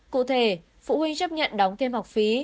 cụ thể phụ huynh chấp nhận đóng thêm học phí